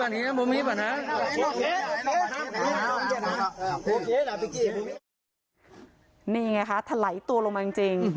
นี่ไงคะถลายตัวลงมาจริง